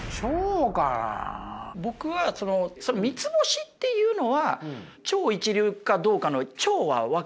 僕はその三つ星っていうのは超一流かどうかの「超」は分からないです。